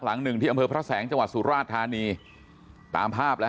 หลังหนึ่งที่อำเภอพระแสงจังหวัดสุราชธานีตามภาพแล้วฮ